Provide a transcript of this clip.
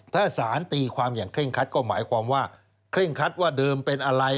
ถ้าสารตีความอย่างเคร่งคัดก็หมายความว่าเคร่งคัดว่าเดิมเป็นอะไร